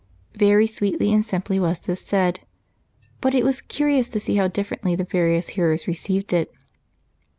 Very sweetly and simply was this said, but it was curious to see how differently the various hearers received it.